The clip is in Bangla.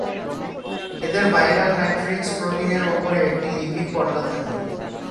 এদের ভাইরাল ম্যাট্রিক্স প্রোটিন এর উপরে একটি লিপিড পর্দা থাকে।